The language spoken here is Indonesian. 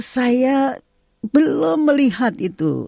saya belum melihat itu